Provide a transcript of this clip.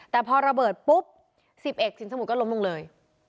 แต่พอระเบิดปุ๊บ๑๐เอกสินสมุทรก็ล้มลงเลย